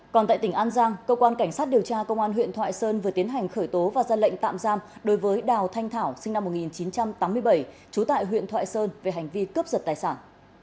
còn tại tỉnh an giang cơ quan cảnh sát điều tra công an huyện thoại sơn vừa tiến hành khởi tố và ra lệnh tạm giam đối với đào thanh thảo sinh năm một nghìn chín trăm tám mươi bảy trú tại huyện thoại sơn về hành vi cướp giật tài sản